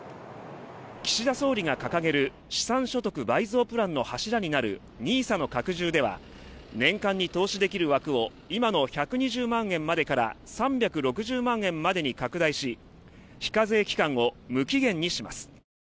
岸田総理が掲げる資産所得倍増プランの柱になるＮＩＳＡの拡充では年間に投資できる枠を今の１２０万円までから３６０万円までに拡大し非課税期間を無期限にします。